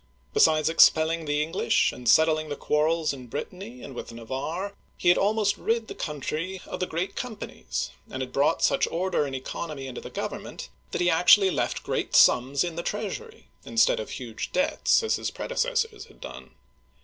Besides expelling the English, and settling the quarrels in Brittany and with Navarre, he had almost rid the country of the Great Companies, and had brought such order and economy into the government that he actually left great sums in the treasury, instead of huge debts as his predecessors had done.